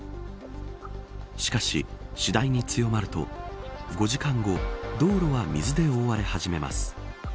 しかし次第に強まると５時間後、道路は水で覆われ始めます。